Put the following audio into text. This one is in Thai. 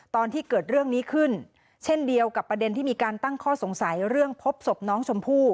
ตอนที่เกิดเรื่องนี้ขึ้นเช่นเดียวกับประเด็นที่มีการตั้งข้อสงสัยเรื่องพบศพน้องชมพู่